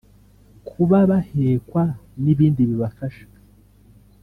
kuba bahekwa n’ibindi bibafasha